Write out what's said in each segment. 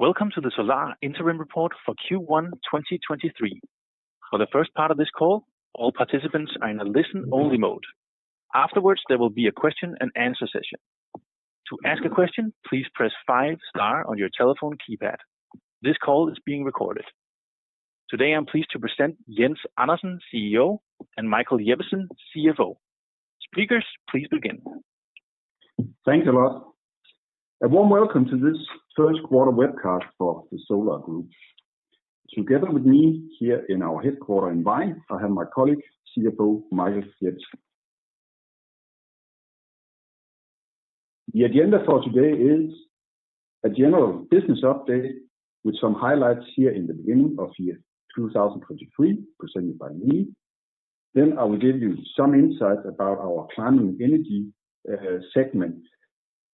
Welcome to the Solar Interim Report for Q1 2023. For the first part of this call, all participants are in a listen-only mode. Afterwards, there will be a question and answer session. To ask a question, please press five star on your telephone keypad. This call is being recorded. Today, I'm pleased to present Jens Andersen, CEO, and Michael Jeppesen, CFO. Speakers, please begin. Thanks a lot. A warm welcome to this first quarter webcast for the Solar Group. Together with me here in our headquarter in Vejle, I have my colleague, CFO, Michael Jeppesen. The agenda for today is a general business update with some highlights here in the beginning of year 2023, presented by me. I will give you some insight about our Climate & Energy segment,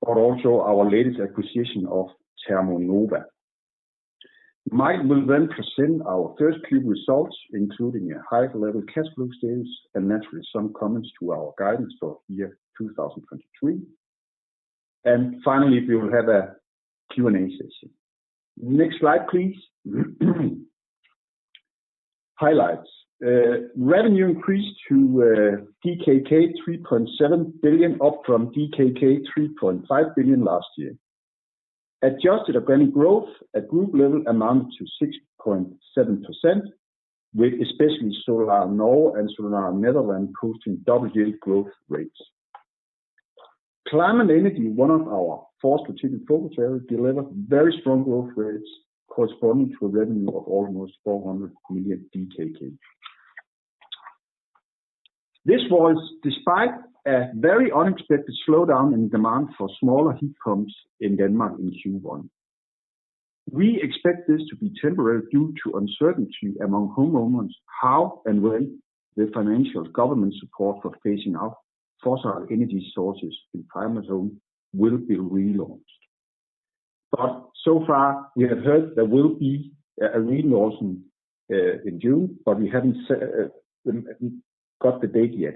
but also our latest acquisition of ThermoNova. Mike will then present our first Q results, including a high-level cash flow status, naturally, some comments to our guidance for year 2023. Finally, we will have a Q&A session. Next slide please. Highlights. Revenue increased to DKK 3.7 billion up from DKK 3.5 billion last year. Adjusted organic growth at group level amounted to 6.7%, with especially Solar Norge and Solar Nederland posting double-digit growth rates. Climate & Energy, one of our four strategic focus areas, delivered very strong growth rates corresponding to a revenue of almost 400 million DKK. This was despite a very unexpected slowdown in demand for smaller heat pumps in Denmark in Q1. We expect this to be temporary due to uncertainty among homeowners, how and when the financial government support for phasing out fossil energy sources in climate zone will be relaunched. So far, we have heard there will be a relaunch in June, but we haven't set, we haven't got the date yet.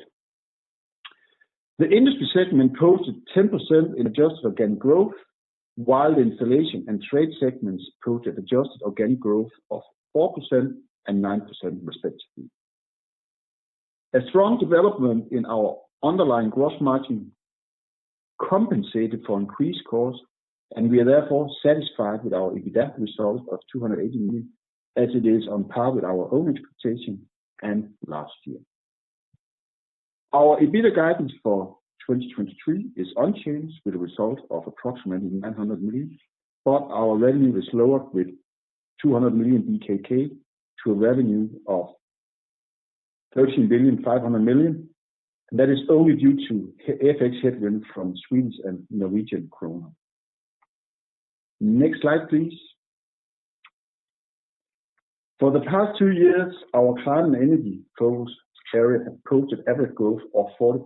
The industry segment posted 10% in adjusted organic growth, while the installation and trade segments posted adjusted organic growth of 4% and 9% respectively. A strong development in our underlying gross margin compensated for increased costs, and we are therefore satisfied with our EBITDA result of 280 million, as it is on par with our own expectation and last year. Our EBITDA guidance for 2023 is unchanged with a result of approximately 900 million, but our revenue is lower with 200 million to a revenue of 13.5 billion. That is only due to FX headwind from Swedish and Norwegian krona. Next slide, please. For the past 2 years, our Climate & Energy focus area has posted average growth of 40%,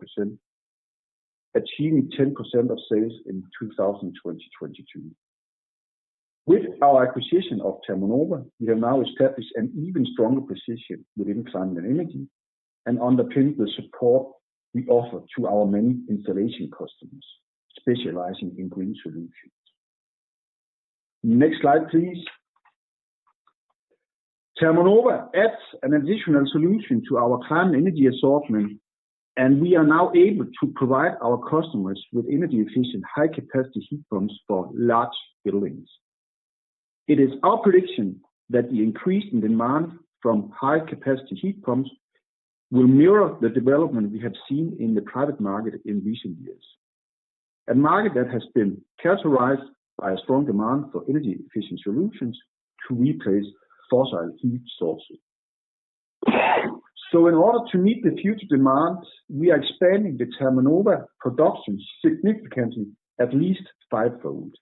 achieving 10% of sales in 2022. With our acquisition of ThermoNova, we have now established an even stronger position within Climate & Energy and underpinned the support we offer to our many installation customers specializing in green solutions. Next slide, please. ThermoNova adds an additional solution to our Climate & Energy assortment, and we are now able to provide our customers with energy-efficient, high-capacity heat pumps for large buildings. It is our prediction that the increase in demand from high-capacity heat pumps will mirror the development we have seen in the private market in recent years, a market that has been characterized by a strong demand for energy-efficient solutions to replace fossil heat sources. In order to meet the future demands, we are expanding the ThermoNova production significantly at least fivefold.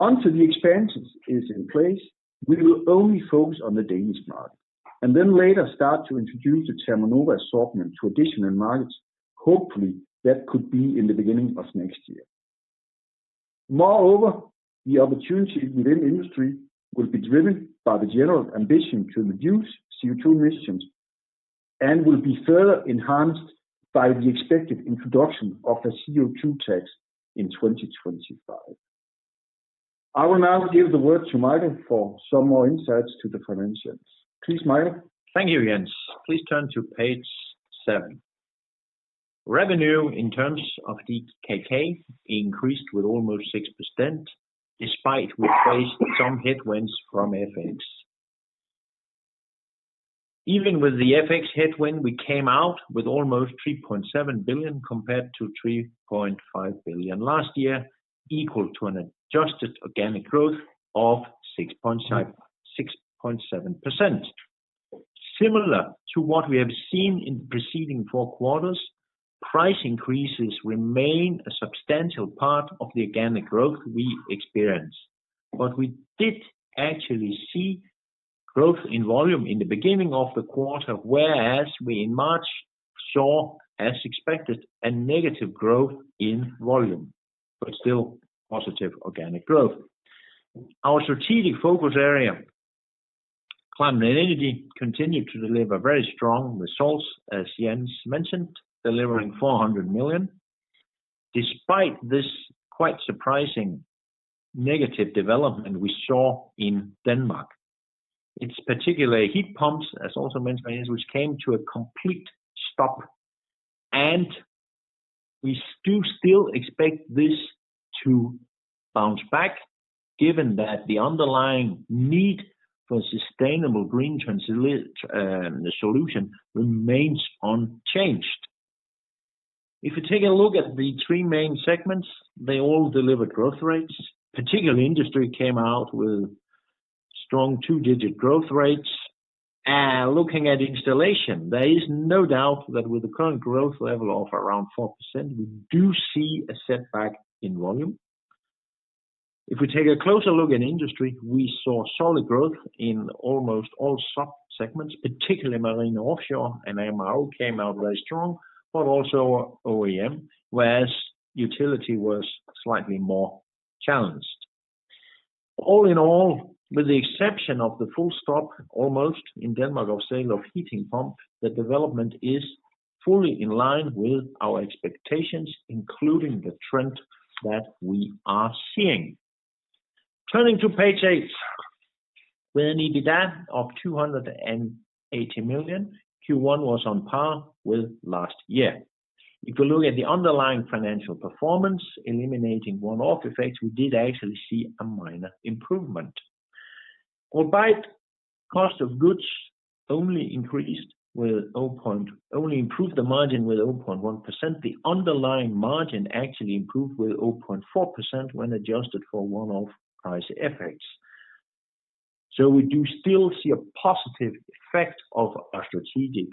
Until the expansion is in place, we will only focus on the Danish market and then later start to introduce the ThermoNova assortment to additional markets. Hopefully, that could be in the beginning of next year. The opportunity within industry will be driven by the general ambition to reduce CO2 emissions and will be further enhanced by the expected introduction of a CO2 tax in 2025. I will now give the word to Michael for some more insights to the financials. Please, Michael. Thank you, Jens. Please turn to page 7. Revenue in terms of DKK increased with almost 6%, despite we faced some headwinds from FX. Even with the FX headwind, we came out with almost 3.7 billion compared to 3.5 billion last year, equal to an adjusted organic growth of 6.7%. Similar to what we have seen in the preceding 4 quarters, price increases remain a substantial part of the organic growth we experience. We did actually see growth in volume in the beginning of the quarter, whereas we in March saw, as expected, a negative growth in volume, but still positive organic growth. Our strategic focus area Climate & Energy continued to deliver very strong results, as Jens mentioned, delivering 400 million. Despite this quite surprising negative development we saw in Denmark, it's particularly heat pumps, as also mentioned by Jens, which came to a complete stop, and we do still expect this to bounce back, given that the underlying need for sustainable green solution remains unchanged. If you take a look at the three main segments, they all deliver growth rates. Particularly industry came out with strong two-digit growth rates. Looking at installation, there is no doubt that with the current growth level of around 4%, we do see a setback in volume. We take a closer look at industry, we saw solid growth in almost all sub-segments, particularly marine offshore and MRO came out very strong, but also OEM, whereas utility was slightly more challenged. All in all, with the exception of the full stop almost in Denmark of sale of heat pump, the development is fully in line with our expectations, including the trend that we are seeing. Turning to page 8. With an EBITDA of 280 million, Q1 was on par with last year. You look at the underlying financial performance, eliminating one-off effects, we did actually see a minor improvement. Albeit cost of goods only improved the margin with 0.1%, the underlying margin actually improved with 0.4% when adjusted for one-off price effects. We do still see a positive effect of our strategic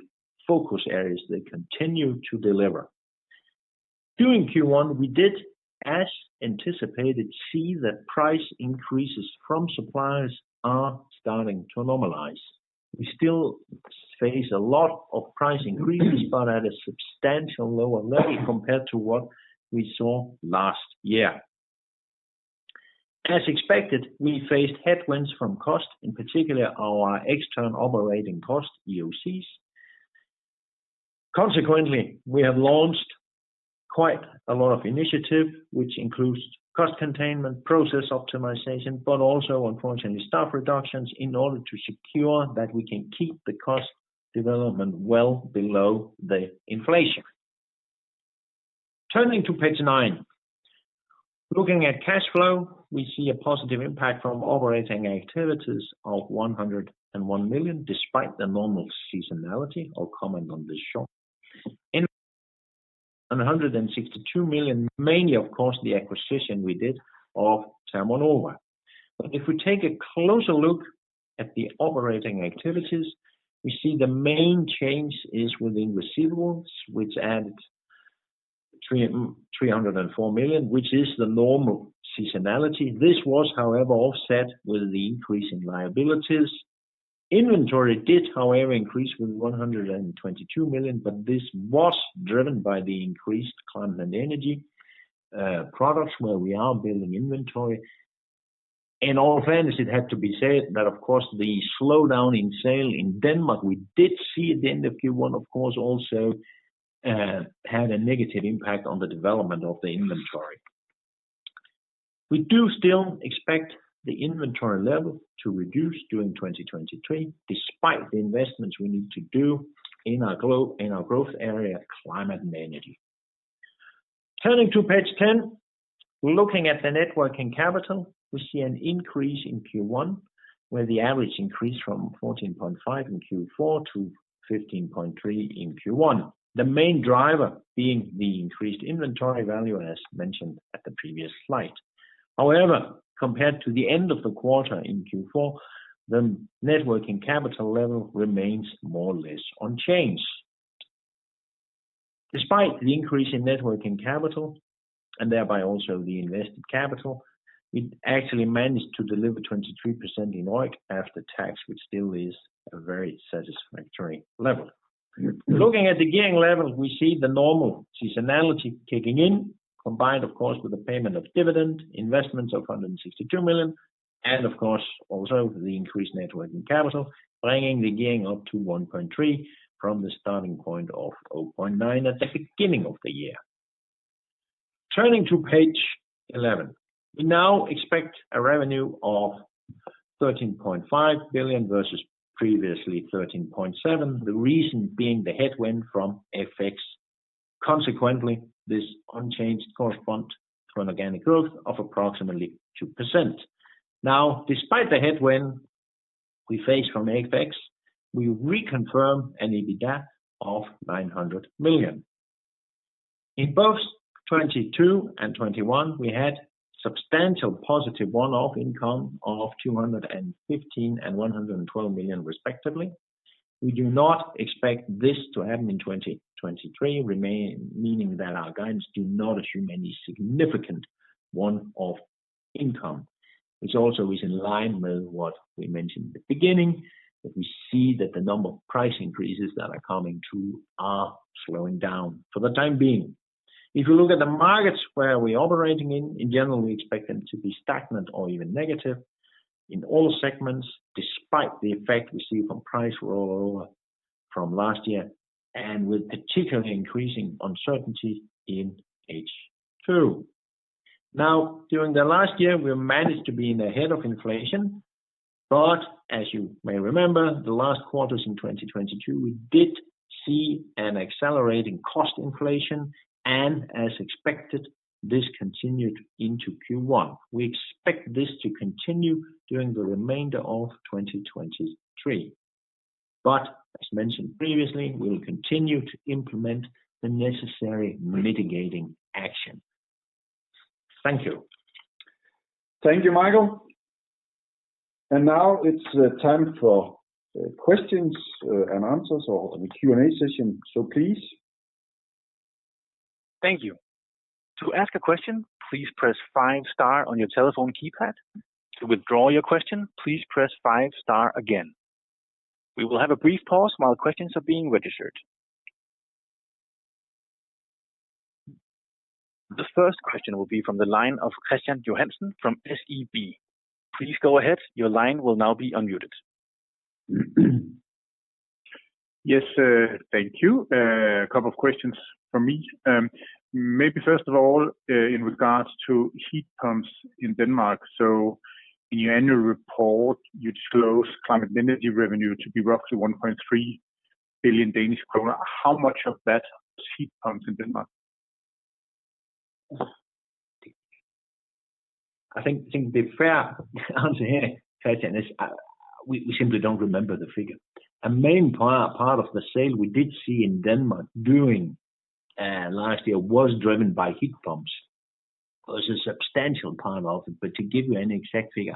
focus areas that continue to deliver. During Q1, we did, as anticipated, see that price increases from suppliers are starting to normalize. We still face a lot of price increases, but at a substantial lower level compared to what we saw last year. As expected, we faced headwinds from cost, in particular our External Operating Costs, EOCs. Consequently, we have launched quite a lot of initiative, which includes cost containment, process optimization, but also unfortunately, staff reductions in order to secure that we can keep the cost development well below the inflation. Turning to page 9. Looking at cash flow, we see a positive impact from operating activities of 101 million, despite the normal seasonality. I'll comment on this shortly. 162 million, mainly of course, the acquisition we did of ThermoNova. If we take a closer look at the operating activities, we see the main change is within receivables, which add 304 million, which is the normal seasonality. This was, however, offset with the increase in liabilities. Inventory did, however, increase with 122 million. This was driven by the increased Climate & Energy products where we are building inventory. In all fairness, it had to be said that of course, the slowdown in sale in Denmark, we did see at the end of Q1, of course, also had a negative impact on the development of the inventory. We do still expect the inventory level to reduce during 2023, despite the investments we need to do in our globe, in our growth area, Climate & Energy. Turning to page 10. Looking at the net working capital, we see an increase in Q1, where the average increased from 14.5 in Q4 to 15.3 in Q1. The main driver being the increased inventory value, as mentioned at the previous slide. However, compared to the end of the quarter in Q4, the net working capital level remains more or less unchanged. Despite the increase in net working capital, and thereby also the invested capital, we actually managed to deliver 23% in OIBDA after tax, which still is a very satisfactory level. Looking at the gearing level, we see the normal seasonality kicking in, combined of course, with the payment of dividend, investments of 162 million, and of course, also the increased net working capital, bringing the gearing up to 1.3 from the starting point of 0.9 at the beginning of the year. Turning to page 11. We now expect a revenue of 13.5 billion versus previously 13.7 billion. The reason being the headwind from FX. Consequently, this unchanged correspond to an organic growth of approximately 2%. Despite the headwind we face from FX, we reconfirm an EBITDA of 900 million. In both 2022 and 2021, we had substantial positive one-off income of 215 million and 112 million respectively. We do not expect this to happen in 2023 remain, meaning that our guidance do not assume any significant one-off income, which also is in line with what we mentioned at the beginning, that we see that the number of price increases that are coming through are slowing down for the time being. If you look at the markets where we're operating in general, we expect them to be stagnant or even negative in all segments, despite the effect we see from price roll over from last year, and with particularly increasing uncertainty in H2. During the last year, we managed to be in ahead of inflation. As you may remember, the last quarters in 2022, we did see an accelerating cost inflation, and as expected, this continued into Q1. We expect this to continue during the remainder of 2023. As mentioned previously, we will continue to implement the necessary mitigating action. Thank you. Thank you, Michael. Now it's time for questions and answers or the Q&A session. Please. Thank you. To ask a question, please press five star on your telephone keypad. To withdraw your question, please press five star again. We will have a brief pause while questions are being registered. The first question will be from the line of Kristian Johansen from SEB. Please go ahead. Your line will now be unmuted. Yes, thank you. A couple of questions from me. Maybe first of all, in regards to heat pumps in Denmark. In your annual report, you disclose Climate & Energy revenue to be roughly 1.3 billion Danish kroner. How much of that is heat pumps in Denmark? I think the fair answer here, Kristian, is we simply don't remember the figure. A main part of the sale we did see in Denmark during last year was driven by heat pumps. It was a substantial part of it, but to give you any exact figure,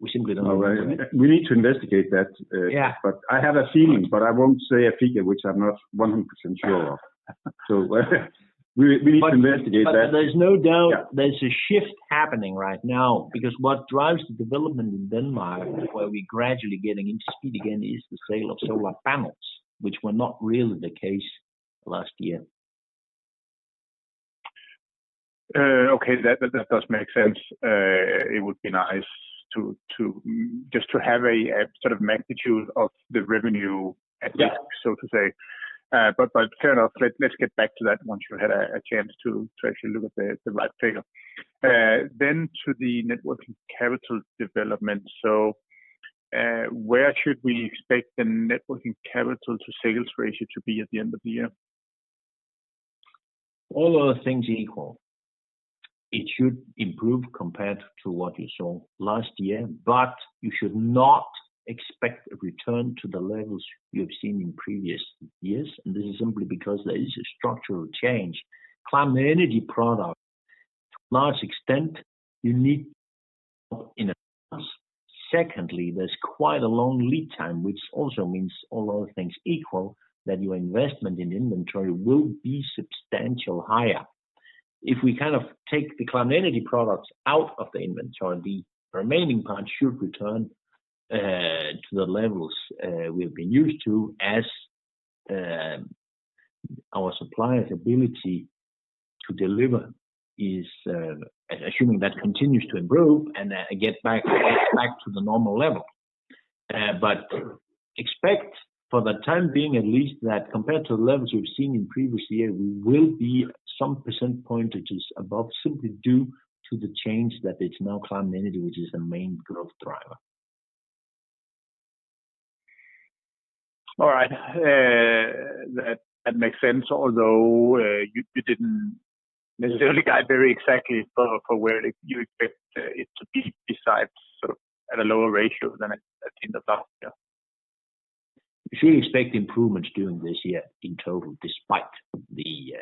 we simply don't know. We need to investigate that. Yeah. I have a feeling, but I won't say a figure which I'm not 100% sure of. We need to investigate that. But there's no doubt- Yeah. There's a shift happening right now, because what drives the development in Denmark, where we're gradually getting into speed again, is the sale of solar panels, which were not really the case last year. Okay. That does make sense. It would be nice to just to have a sort of magnitude of the revenue at least... Yeah. to say. Fair enough. Let's get back to that once you've had a chance to actually look at the right figure. To the net working capital development. Where should we expect the net working capital to sales ratio to be at the end of the year? All other things equal, it should improve compared to what you saw last year. You should not expect a return to the levels you have seen in previous years. This is simply because there is a structural change. Climate Energy products, to a large extent, you need in advance. Secondly, there's quite a long lead time, which also means all other things equal, that your investment in inventory will be substantially higher. If we kind of take the Climate Energy products out of the inventory, the remaining part should return to the levels we've been used to as our suppliers' ability to deliver is assuming that continues to improve and get back to the normal level. Expect for the time being, at least that compared to the levels we've seen in previous years, we will be some percent pointages above simply due to the change that it's now Climate & Energy, which is the main growth driver. All right. That makes sense, although, you didn't necessarily guide very exactly for where you expect it to be besides sort of at a lower ratio than at the end of last year. We should expect improvements during this year in total, despite the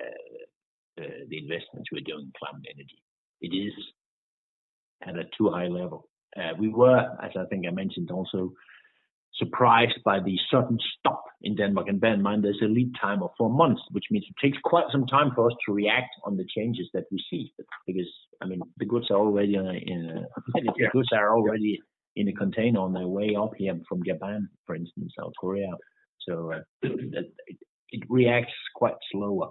investments we're doing in Climate & Energy. It is at a too high level. We were, as I think I mentioned, also surprised by the sudden stop in Denmark. Bear in mind, there's a lead time of 4 months, which means it takes quite some time for us to react on the changes that we see. I mean, the goods are already in a. The goods are already in a container on their way up here from Japan, for instance, South Korea. It reacts quite slower.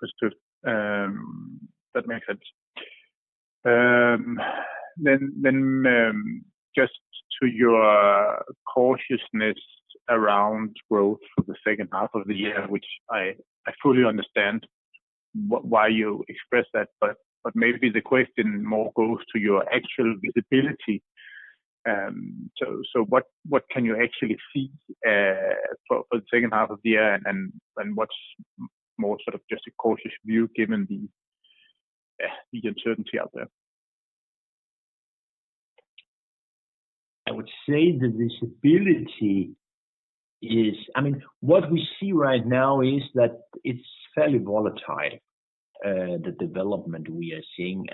That's true. That makes sense. Just to your cautiousness around growth for the second half of the year, which I fully understand why you express that, but maybe the question more goes to your actual visibility. What can you actually see, for the second half of the year and what's more sort of just a cautious view given the uncertainty out there? I would say the visibility is, I mean, what we see right now is that it's fairly volatile, the development we are seeing.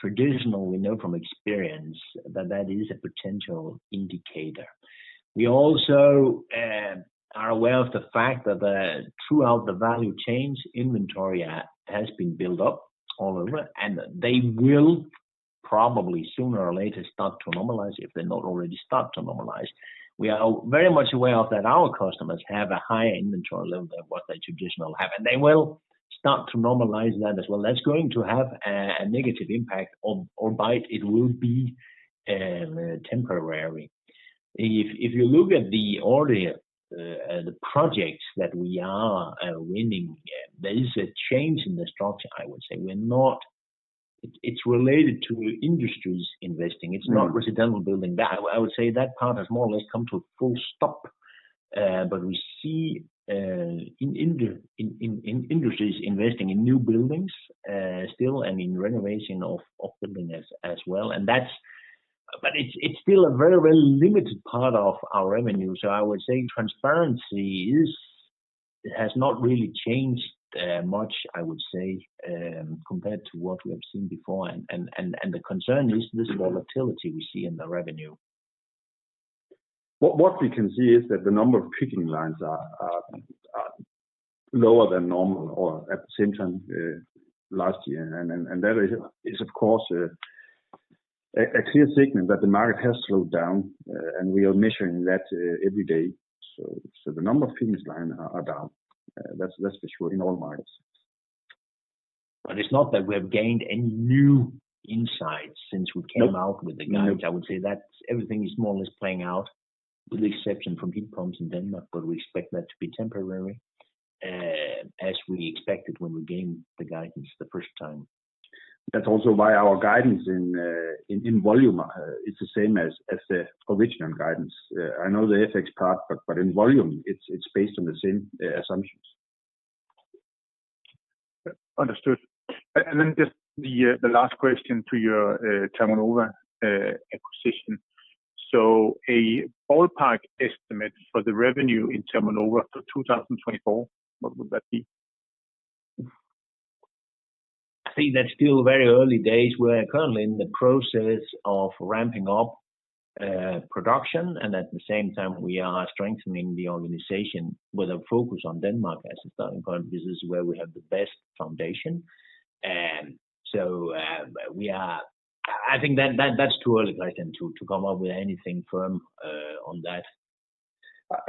Traditionally, we know from experience that that is a potential indicator. We also are aware of the fact that throughout the value chains, inventory has been built up all over, and they will probably sooner or later start to normalize, if they've not already started to normalize. We are very much aware of that our customers have a high inventory level than what they traditionally have. They will start to normalize that as well. That's going to have a negative impact albeit it will be temporary. If you look at the order, the projects that we are winning, there is a change in the structure, I would say. It's related to industries investing, it's not residential building. I would say that part has more or less come to a full stop. We see in industries investing in new buildings still and in renovation of buildings as well. It's still a very limited part of our revenue. I would say transparency is. It has not really changed much, I would say, compared to what we have seen before. The concern is this volatility we see in the revenue. What we can see is that the number of picking lines are lower than normal or at the same time last year. That is of course a clear signal that the market has slowed down, and we are measuring that every day. The number of picking lines are down, that's for sure, in all markets. It's not that we have gained any new insights since we came out with the guidance. Nope. Nope. I would say everything is more or less playing out, with the exception from heat pumps in Denmark, but we expect that to be temporary, as we expected when we gave the guidance the first time. That's also why our guidance in volume, it's the same as the original guidance. I know the FX part, but in volume, it's based on the same assumptions. Understood. Just the last question to your ThermoNova acquisition. A ballpark estimate for the revenue in ThermoNova for 2024, what would that be? I think that's still very early days. We're currently in the process of ramping up production, and at the same time we are strengthening the organization with a focus on Denmark as a starting point because this is where we have the best foundation. I think that's too early a question to come up with anything firm on that.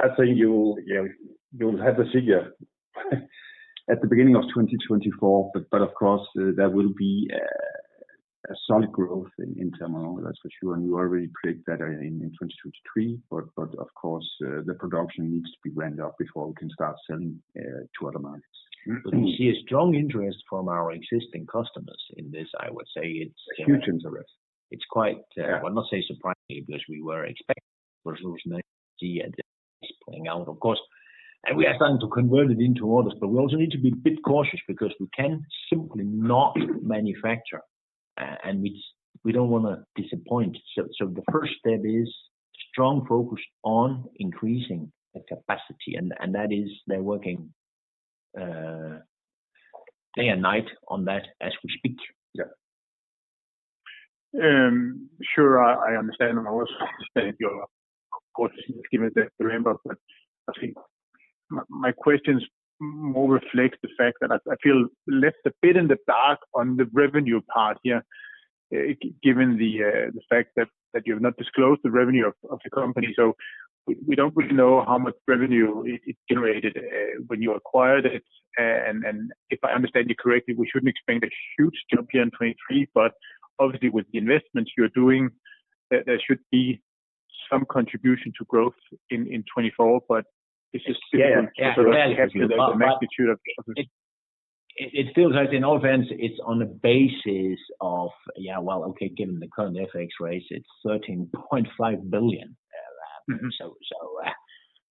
I think you'll, you know, you'll have the figure at the beginning of 2024, but of course, there will be a solid growth in ThermoNova, that's for sure. We already predict that in 2023, but of course, the production needs to be ramped up before we can start selling, to other markets. Mm-hmm. We see a strong interest from our existing customers in this, I would say it's. Huge interest. It's quite Yeah... I will not say surprising because we were expecting for those 90, and that is playing out of course. We are starting to convert it into orders, but we also need to be a bit cautious because we can simply not manufacture, and we don't wanna disappoint. The first step is strong focus on increasing the capacity and They're working day and night on that as we speak. Yeah. Sure. I understand, and I was understanding your course, just give me the rainbow. I think my questions more reflect the fact that I feel left a bit in the dark on the revenue part here, given the fact that you've not disclosed the revenue of the company. We don't really know how much revenue it generated when you acquired it. If I understand you correctly, we shouldn't expect a huge jump here in 2023, but obviously with the investments you're doing, there should be some contribution to growth in 2024. It's just simply- Yeah. Yeah. the magnitude of the It feels like in all events it's on the basis of. Yeah. Well, okay, given the current FX rates, it's 13.5 billion. Mm-hmm... so,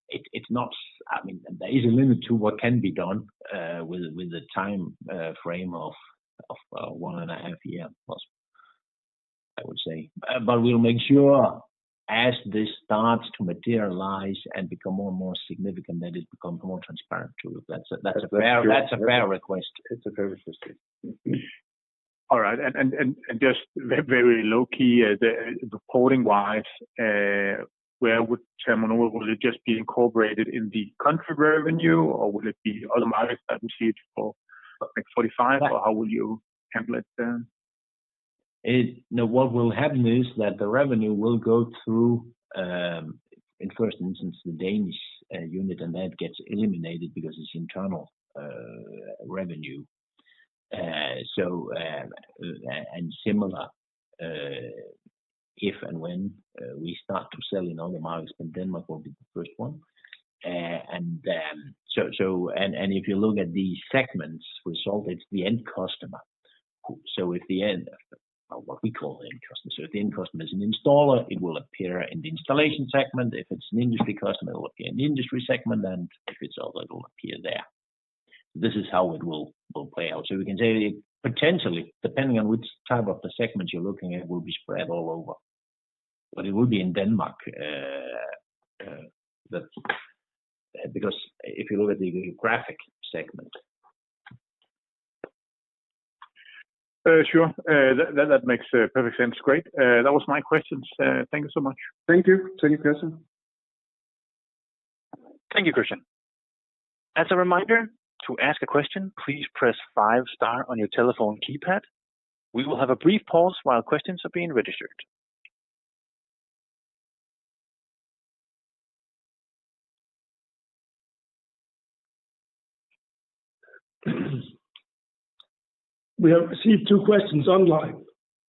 it's not-- I mean, there is a limit to what can be done with the time frame of 1.5 year plus, I would say. We'll make sure as this starts to materialize and become more and more significant, that it becomes more transparent too. That's a fair-. That's true. That's a fair request. It's a fair request. Mm-hmm. All right. Just very low-key, reporting-wise, Will ThermoNova just be incorporated in the country revenue or will it be other markets that we see it for like 45? Or how will you template them? No, what will happen is that the revenue will go through in first instance the Danish unit, and that gets eliminated because it's internal revenue. similar if and when we start to sell in other markets, but Denmark will be the first one. If you look at the segments result, it's the end customer. What we call the end customer. If the end customer is an installer, it will appear in the installation segment. If it's an industry customer, it will appear in the industry segment, and if it's other, it'll appear there. This is how it will play out. We can say potentially, depending on which type of the segment you're looking at, will be spread all over. It will be in Denmark, because if you look at the graphic segment. Sure. That makes perfect sense. Great. That was my questions. Thank you so much. Thank you. Thank you, Kirsten. Thank you, Kristian. As a reminder, to ask a question, please press 5 star on your telephone keypad. We will have a brief pause while questions are being registered. We have received two questions online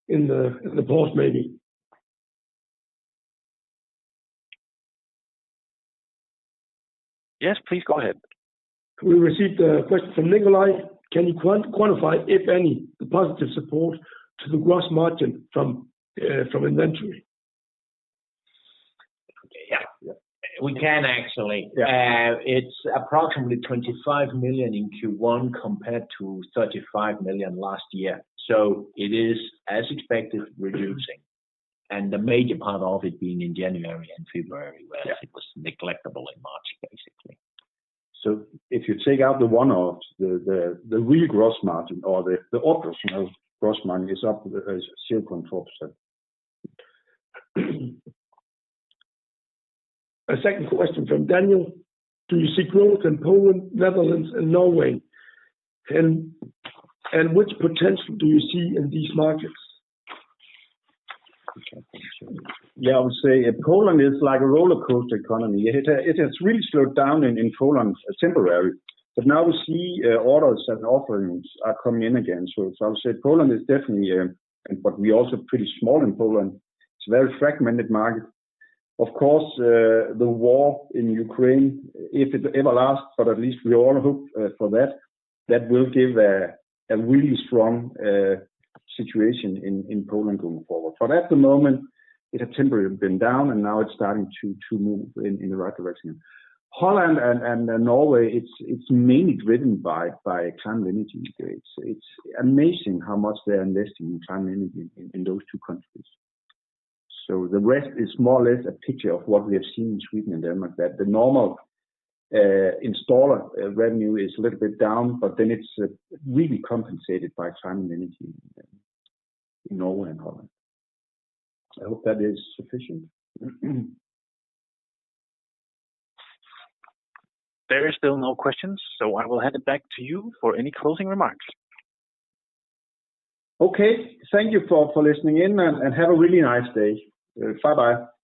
in the pause maybe. Yes, please go ahead. We received a question from Nikolai. Can you quantify, if any, the positive support to the gross margin from inventory? Yeah. We can actually. It's approximately 25 million in Q1 compared to 35 million last year. It is as expected reducing, and the major part of it being in January and February whereas it was negligible in March basically. If you take out the one-offs, the real gross margin or the operational gross margin is up 0.4%. A second question from Daniel: Do you see growth in Poland, Netherlands, and Norway, and which potential do you see in these markets? I would say Poland is like a rollercoaster economy. It has really slowed down in Poland temporarily, but now we see orders and offerings are coming in again. As I said, Poland is definitely. We're also pretty small in Poland. It's a very fragmented market. Of course, the war in Ukraine, if it ever lasts, but at least we all hope for that will give a really strong situation in Poland going forward. At the moment, it has temporarily been down, and now it's starting to move in the right direction. Holland and Norway, it's mainly driven by Climate & Energy. It's amazing how much they are investing in Climate & Energy in those two countries. The rest is more or less a picture of what we have seen in Sweden and Denmark, that the normal, installer revenue is a little bit down, it's really compensated by Climate & Energy in Norway and Holland. I hope that is sufficient. There are still no questions, so I will hand it back to you for any closing remarks. Okay. Thank you for listening in and have a really nice day. bye-bye.